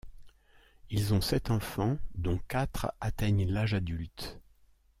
Ils ont sept enfants, dont quatre atteignent l'âge adulte.